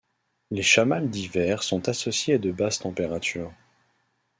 Les chammals d'hiver sont associés à de basses températures.